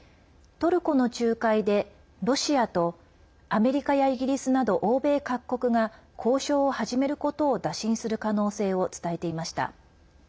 トルコの仲介で、ロシアとアメリカやイギリスなど欧米各国が交渉を始めることを打診する可能性を伝えていました。